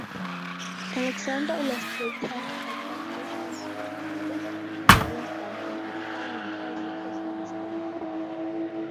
Alexander illustrated her translations with drawings done in a fine and highly personal style.